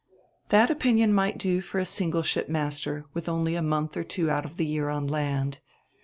"That opinion might do for a single shipmaster, with only a month or two out of the year on land.